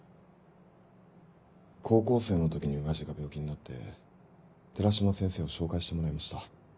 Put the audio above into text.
高校生の時に親父が病気になって寺島先生を紹介してもらいました。